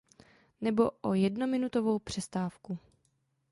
Nebo o jednominutovou přestávku?